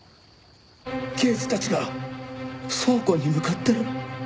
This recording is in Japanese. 刑事たちが倉庫に向かってる。